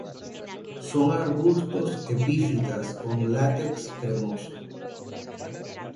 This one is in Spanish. Son arbustos epífitas, con látex cremoso.